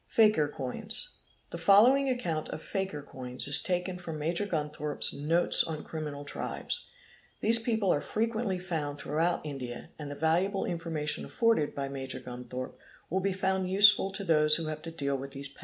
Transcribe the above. | Kakir Coiners. The following account of Fakir Coiners is taken from Major Gunthorpe's 'Notes on Criminal Tribes' ; these people are frequently found throughout India and the valuable information afforded by Major Gunthorpe will be found useful to those who have to deal with these.